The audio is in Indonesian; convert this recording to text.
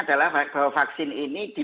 adalah bahwa vaksin ini